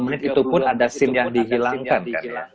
tiga puluh dua menit itu pun ada scene yang dihilangkan kan